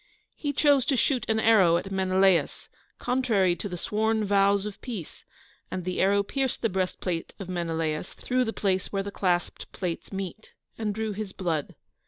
He chose to shoot an arrow at Menelaus, contrary to the sworn vows of peace, and the arrow pierced the breastplate of Menelaus through the place where the clasped plates meet, and drew his blood.